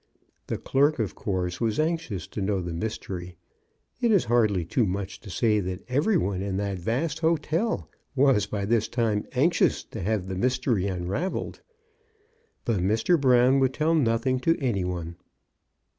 The clerk, of course, was anxious to know the mystery. It is hardly too much to say that every one in that vast hotel was by this time anxious to have the mystery unravelled. But Mr. Brown would tell nothing to any one.